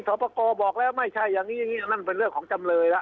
ศพโกบอกแล้วไม่ใช่อย่างงี้อย่างงี้อันนั้นเป็นเรื่องของจำเลยล่ะ